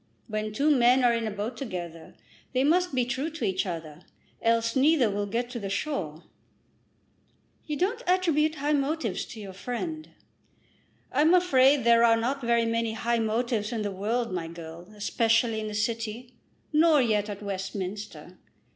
When two men are in a boat together they must be true to each other, else neither will get to the shore." "You don't attribute high motives to your friend." "I'm afraid there are not very many high motives in the world, my girl, especially in the city; nor yet at Westminster.